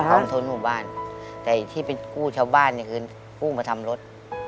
กองทุนหมู่บ้านแต่ที่ไปกู้ชาวบ้านเนี่ยคือกู้มาทำรถ